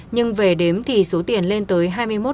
nhưng về đếm thì số tiền lên tới